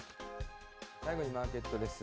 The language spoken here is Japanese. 最後にマーケットです。